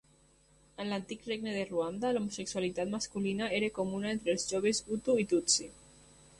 En l'antic regne de Ruanda l'homosexualitat masculina era comuna entre els joves hutu i tutsi.